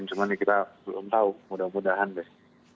cuman kita belum tahu mudah mudahan deh